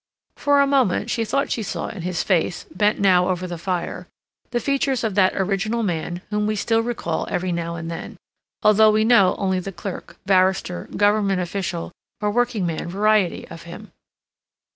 For a moment she thought she saw in his face, bent now over the fire, the features of that original man whom we still recall every now and then, although we know only the clerk, barrister, Governmental official, or workingman variety of him.